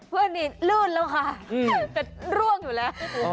เพื่อนนี่ลื่นแล้วค่ะแต่ร่วงอยู่แล้ว